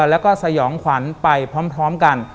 แล้วก็สยองขวัญไปพร้อมกัน